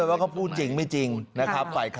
ไปฟังเสียงท่านแล้วกันค่ะ